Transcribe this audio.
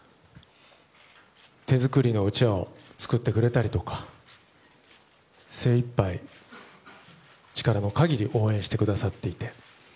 手作りのうちわを作ってくれたりとか精いっぱい、力の限り応援してくださっていて。